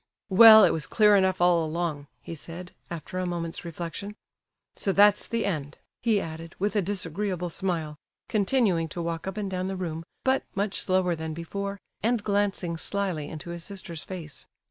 "Well, it was clear enough all along," he said, after a moment's reflection. "So that's the end," he added, with a disagreeable smile, continuing to walk up and down the room, but much slower than before, and glancing slyly into his sister's face.